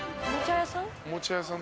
おもちゃ屋さん？